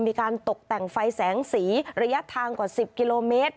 มีการตกแต่งไฟแสงสีระยะทางกว่า๑๐กิโลเมตร